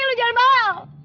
lo jangan bawel